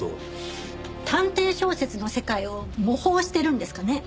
探偵小説の世界を模倣してるんですかね？